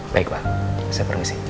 baik pak saya permisi